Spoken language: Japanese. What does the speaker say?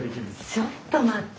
ちょっと待って！